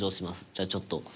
じゃあ、ちょっと。